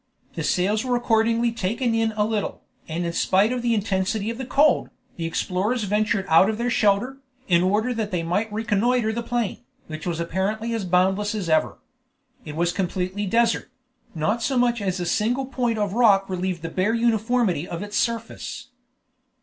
The sails were accordingly taken in a little, and in spite of the intensity of the cold, the explorers ventured out of their shelter, in order that they might reconnoiter the plain, which was apparently as boundless as ever. It was completely desert; not so much as a single point of rock relieved the bare uniformity of its surface.